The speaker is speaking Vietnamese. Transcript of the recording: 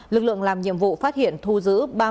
lực lượng làm nhiệm vụ phát hiện thu giữ ba mươi ba gói ni lông